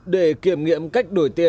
để kiểm nghiệm cách đổi tiền